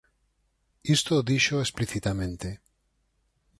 Isto díxoo explicitamente.